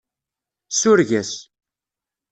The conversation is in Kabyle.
Sureg-as.